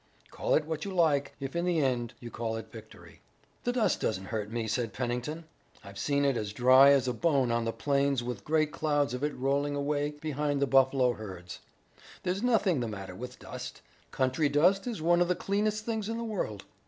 "Call it what you like if in the end you call it victory." "The dust doesn't hurt me," said Pennington. "I've seen it as dry as a bone on the plains with great clouds of it rolling away behind the buffalo herds. There's nothing the matter with dust. Country dust is one of the cleanest things in the world."